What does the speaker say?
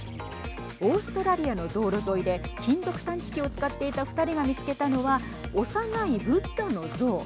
オーストラリアの道路沿いで金属探知機を使っていた２人が見つけたのは幼い仏陀の像。